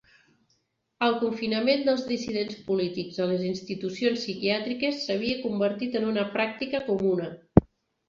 El confinament dels dissidents polítics a les institucions psiquiàtriques s'havia convertit en una pràctica comuna.